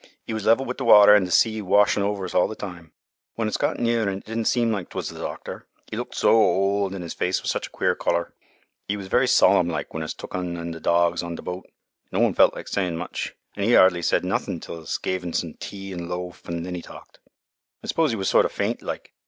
'E was level with th' water an' th' sea washin' over us all th' time. "When us got near un, it didn' seem like 'twas th' doctor. 'E looked so old an' 'is face such a queer color. 'E was very solemn like when us took un an' th' dogs on th' boat. No un felt like sayin' much, an' 'e 'ardly said nothin' till us gave un some tea an' loaf an' then 'e talked. I s'pose e was sort o' faint like.